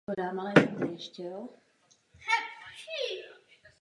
Nevěřím, že by to byl ochoten udělat jakýkoli členský stát.